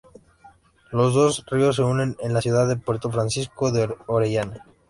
Los dos ríos se unen en la ciudad de Puerto Francisco de Orellana.